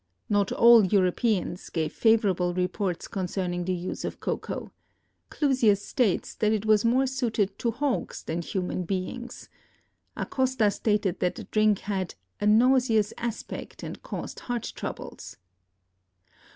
Not all Europeans gave favorable reports concerning the use of cocoa. Clusius stated that it was more suited to hogs than human beings. Acosta stated that the drink had "a nauseous aspect and caused heart troubles."